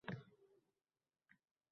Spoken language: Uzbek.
Kecha nima bo`lganini bilasanmi